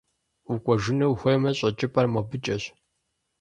Укӏуэжыну ухуеймэ, щӏэкӏыпӏэр мобыкӏэщ.